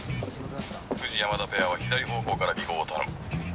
藤山田ペアは左方向から尾行を頼む。